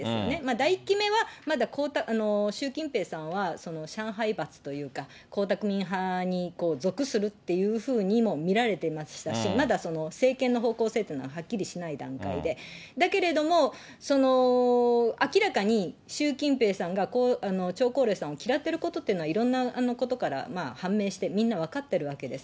第１期目はまだ習近平さんは上海閥というか、江沢民派に属するっていうふうにも見られてましたし、まだその政権の方向性というのがはっきりしない段階で、だけれども、明らかに習近平さんが張高麗さんを嫌っていることというのは、いろんなことから判明して、みんな分かってるわけです。